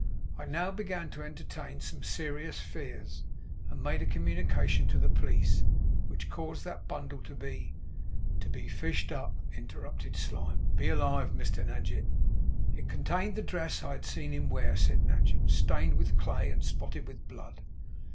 I now began to entertain some serious fears, and made a communication to the Police, which caused that bundle to be ' 'To be fished up,' interrupted Slyme. 'Be alive, Mr Nadgett.' 'It contained the dress I had seen him wear,' said Nadgett; 'stained with clay, and spotted with blood.